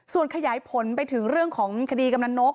ส่วนขยายผลไปถึงเรื่องของคดีกำลังนก